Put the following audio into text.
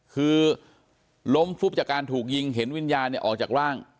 คือล้มฟุบจากการถูกยิงเห็นวิญญาณออกจากร่าง